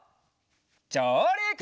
じょうりく！